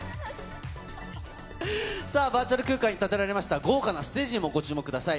バーチャル空間に建てられました、豪華なステージにもご注目ください。